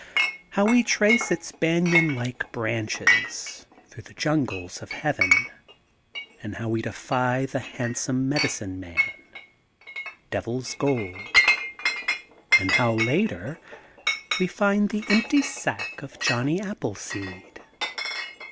HOW WB TRACB ITS BANYAN LIKB BRANCHB8 THROUGH THB JUNGLBS OF HBAYBN, AND HOW WB DBFT THB HAND80MB MBDIdNB MAN, DBYIL'B GOLD, AND HOW. LATBR, WB FIND THB BMPTT SACK OF JOHNNY APPLBSBBD.